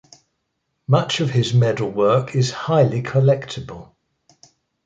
Much of his medal work is highly collectible.